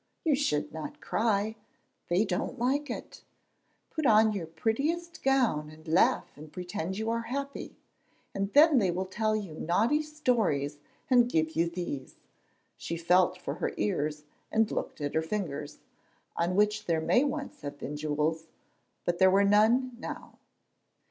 You should not cry; they don't like it. Put on your prettiest gown and laugh and pretend you are happy, and then they will tell you naughty stories and give you these." She felt her ears and looked at her fingers, on which there may once have been jewels, but there were none now.